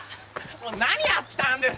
もう何やってたんですか。